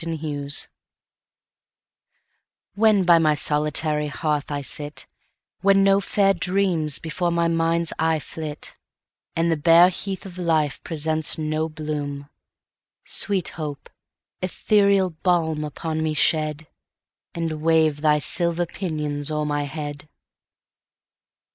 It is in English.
To Hope WHEN by my solitary hearth I sit, When no fair dreams before my "mind's eye" flit, And the bare heath of life presents no bloom; Sweet Hope, ethereal balm upon me shed, And wave thy silver pinions o'er my head.